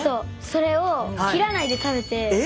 それを切らないで食べて。